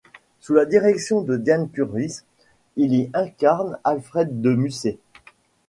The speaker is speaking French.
Sous la direction de Diane Kurys, il y incarne Alfred de Musset.